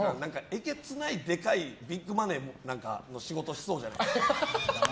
えげつないでかいビッグマネーの仕事しそうじゃないですか。